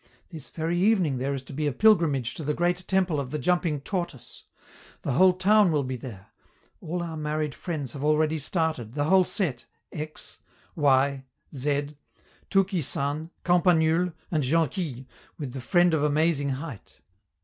This very evening there is to be a pilgrimage to the great temple of the jumping Tortoise! The whole town will be there; all our married friends have already started, the whole set, X , Y , Z , Touki San, Campanule, and Jonquille, with 'the friend of amazing height.